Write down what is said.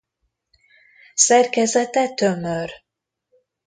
Szerkezete tömör.